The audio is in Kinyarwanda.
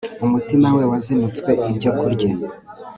umutima we wazinutswe ibyo kurya